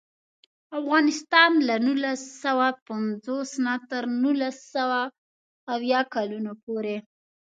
افغانستان له نولس سوه پنځوس نه تر نولس سوه اویا کلونو پورې.